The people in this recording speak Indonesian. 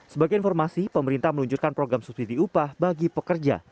sebagai informasi pemerintah meluncurkan program subsidi upah bagi pekerja